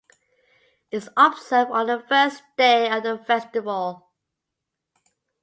It is observed on the first day of the festival.